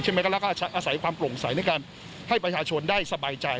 แล้วก็อาศัยความโปร่งใสในการให้ประชาชนได้สบายใจ